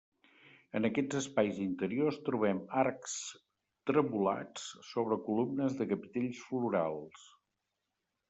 En aquests espais interiors trobem arcs trevolats sobre columnes de capitells florals.